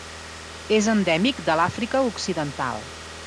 És endèmic de l'Àfrica Occidental.